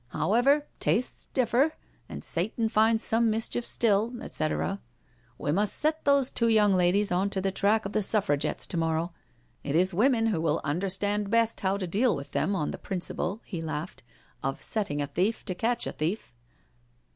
However, tastes differ, and ' Satan finds some mischief still,* etcetera. We must set those two young ladies on to the track of the 3uffrapettes to morrow. It \& womf^ w^Q will undei: 32 NO SURRENDER stand best how to deal with them, on the principle,*' he laughed, " of setting a thief to catch a thief.'